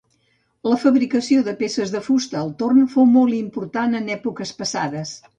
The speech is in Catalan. La fabricació de peces de fusta al torn fou molt important en èpoques passades.